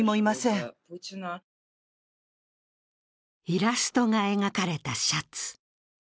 イラストが描かれたシャツ。